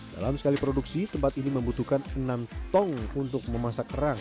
dalam sekali produksi tempat ini membutuhkan enam tong untuk memasak kerang